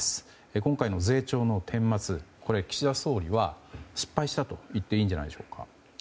今回の税調の顛末、岸田総理は失敗したといっていいんじゃないでしょうか。